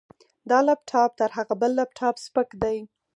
دا لپټاپ تر هغه بل لپټاپ سپک دی.